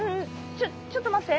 ちょちょっと待って！